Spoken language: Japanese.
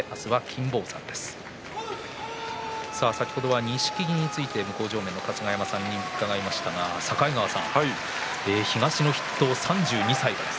先ほど、錦木について向正面の春日山さんに伺いましたが境川さん、東の筆頭３２歳。